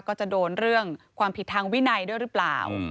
ก็จะโดนเรื่องความผิดทางวินัยด้วยหรือเปล่า